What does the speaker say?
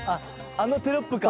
あのテロップか